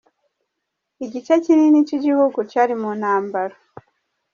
Igice kinini c'igihugu cari mu ntambara.